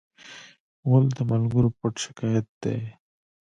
غول د ملګرو پټ شکایت دی.